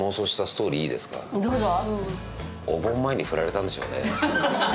どうぞ。